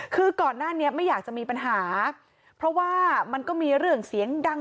คือก่อนหน้านี้ไม่อยากจะมีปัญหาเพราะว่ามันก็มีเรื่องเสียงดัง